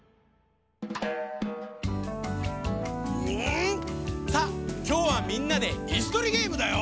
うん！さあきょうはみんなでいすとりゲームだよ。